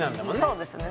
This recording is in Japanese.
そうですね。